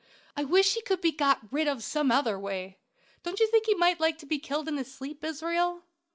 I wish he could be got rid of some other way. Don't you think he might be killed in his sleep, Israel?"